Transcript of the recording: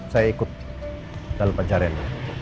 saya ikut dalam pencarian